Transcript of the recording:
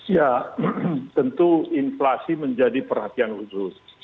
ya tentu inflasi menjadi perhatian khusus